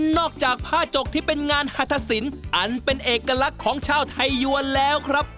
จากผ้าจกที่เป็นงานหัฐศิลป์อันเป็นเอกลักษณ์ของชาวไทยยวนแล้วครับ